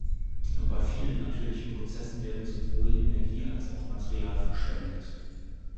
Bei vielen natürlichen Prozessen werde sowohl Energie als auch Material verschwendet.